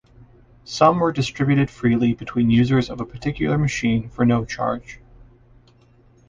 Some were distributed freely between users of a particular machine for no charge.